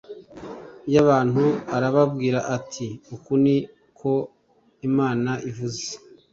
Y abantu arababwira ati uku ni ko imana ivuze